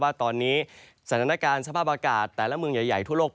ว่าตอนนี้สถานการณ์สภาพอากาศแต่ละเมืองใหญ่ทั่วโลก